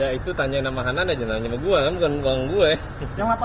ya itu tanya nama hanan aja nanya gua bukan uang gua ya